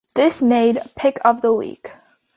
This made pick of the week.